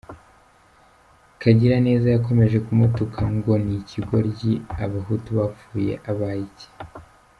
Kagiraneza yakomeje kumutuka ngo ni ikigoryi abahutu bapfuye abaye iki.